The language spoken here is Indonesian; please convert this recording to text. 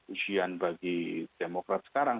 usian bagi demokrat sekarang